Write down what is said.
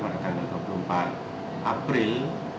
pada tanggal dua puluh empat april dua ribu sembilan belas